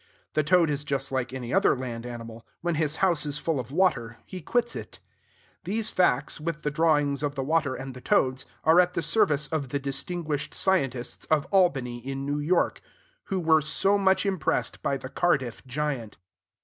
The toad is just like any other land animal: when his house is full of water, he quits it. These facts, with the drawings of the water and the toads, are at the service of the distinguished scientists of Albany in New York, who were so much impressed by the Cardiff Giant.